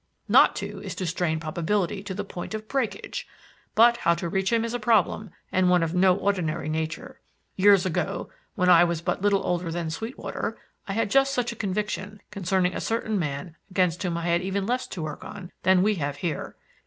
Not to, is to strain probability to the point of breakage. But how to reach him is a problem and one of no ordinary nature. Years ago, when I was but little older than Sweetwater, I had just such a conviction concerning a certain man against whom I had even less to work on than we have here.